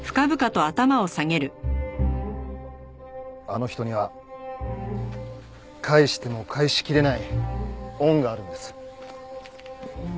あの人には返しても返しきれない恩があるんです。